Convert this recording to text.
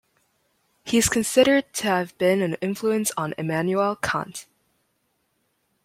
He is considered to have been an influence on Immanuel Kant.